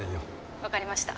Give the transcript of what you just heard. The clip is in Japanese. わかりました。